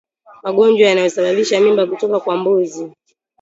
Magonjwa yanayosababisha mimba kutoka kwa mbuzi